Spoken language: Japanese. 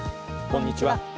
こんにちは。